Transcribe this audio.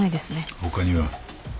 他には？